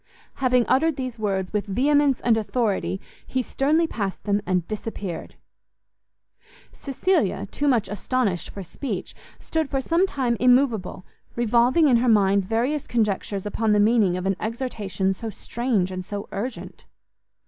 Having uttered these words with vehemence and authority, he sternly passed them, and disappeared. Cecilia, too much astonished for speech, stood for some time immoveable, revolving in her mind various conjectures upon the meaning of an exhortation so strange and so urgent.